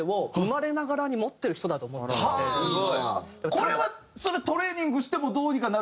これはトレーニングしてもどうにかなる？